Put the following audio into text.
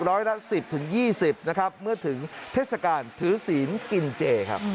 ร้อยละ๑๐๒๐นะครับเมื่อถึงเทศกาลถือศีลกินเจครับ